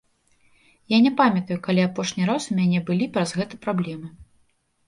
Я не памятаю, калі апошні раз у мяне былі праз гэта праблемы.